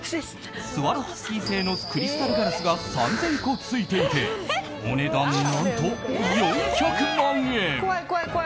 スワロフスキー製のクリスタルガラスが３０００個付いていてお値段何と４００万円。